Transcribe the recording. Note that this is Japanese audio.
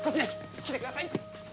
来てください！